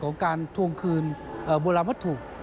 ของการทวงคืนบุรวัตถุ